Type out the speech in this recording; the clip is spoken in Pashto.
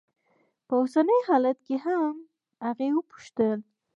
په اوسني حالت کې هم؟ هغې وپوښتل.